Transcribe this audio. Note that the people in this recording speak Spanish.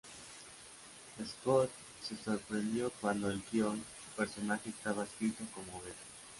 Scott se sorprendió cuando en el guión su personaje estaba escrito como obeso.